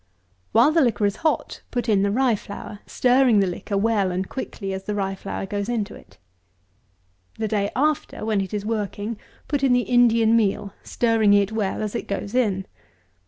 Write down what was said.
While the liquor is hot, put in the Rye Flour; stirring the liquor well, and quickly, as the Rye Flour goes into it. The day after, when it is working, put in the Indian Meal, stirring it well as it goes in.